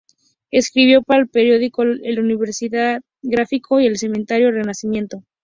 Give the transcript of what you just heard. Escribió para el periódico "El Universal Gráfico" y el semanario "Renacimiento".